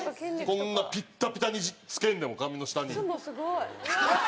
こんなピッタピタにつけんでも紙の下に。